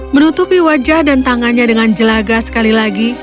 menutupi wajah dan tangannya dengan jelaga sekali lagi